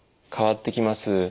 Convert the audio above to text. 変わってきます。